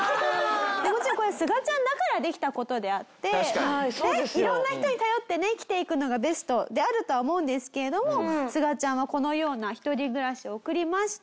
もちろんこれすがちゃんだからできた事であって色んな人に頼ってね生きていくのがベストであるとは思うんですけれどもすがちゃんはこのような一人暮らしを送りまして。